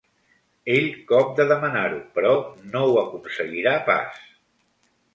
Ell cop de demanar-ho, però no ho aconseguirà pas.